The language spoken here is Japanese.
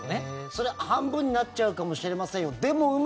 それは、半分になっちゃうかもしれませんよ